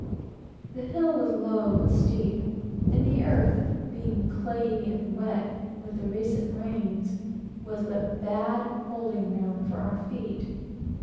The hill was low, but steep, and the earth, being clayey and wet with the recent rains, was but bad holding ground for our feet.